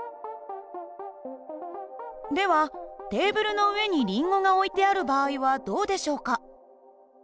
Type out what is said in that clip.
ではテーブルの上にりんごが置いてある場合はどうでしょうか？